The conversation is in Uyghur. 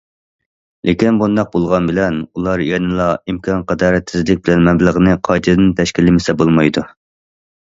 لېكىن بۇنداق بولغان بىلەن، ئۇلار يەنىلا ئىمكانقەدەر تېزلىك بىلەن مەبلەغنى قايتىدىن تەشكىللىمىسە بولمايدۇ.